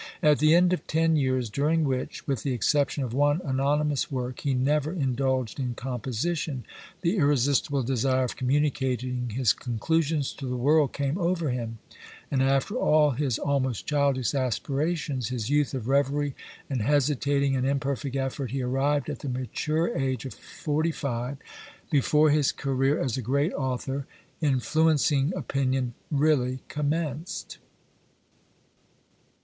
At the end of ten years, during which, with the exception of one anonymous work, he never indulged in composition, the irresistible desire of communicating his conclusions to the world came over him, and after all his almost childish aspirations, his youth of reverie and hesitating and imperfect effort, he arrived at the mature age of forty five before his career as a great author, influencing opinion, really commenced.